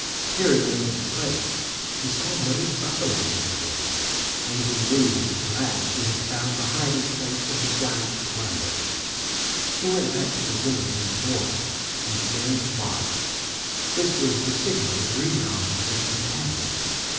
Peering into the place he saw many buffaloes within, and he knew that at last he had found the hiding place of the giant's plunder. He went back to the woman and the boy and began to bark. This was the signal agreed on with his companion.